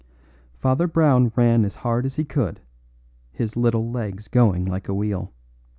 Father Brown ran as hard as he could, his little legs going like a wheel.